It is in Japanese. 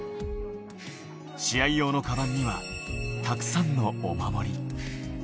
試合用のかばんには、たくさんのお守り。